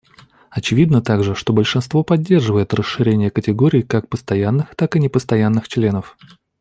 Очевидно также, что большинство поддерживает расширение категорий как постоянных, так и непостоянных членов.